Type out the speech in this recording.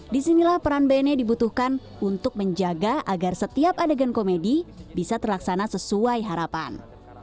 disinilah peran bne dibutuhkan untuk menjaga agar setiap adegan komedi bisa terlaksana sesuai harapan